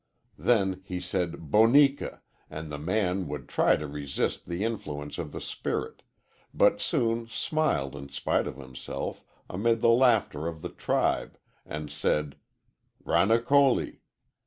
"Then he said 'Boneka,' and the man would try to resist the influence of the spirit, but soon smiled in spite of himself, amid the laughter of the tribe, and said 'Ranokoli.'